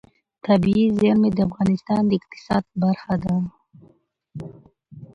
طبیعي زیرمې د افغانستان د اقتصاد برخه ده.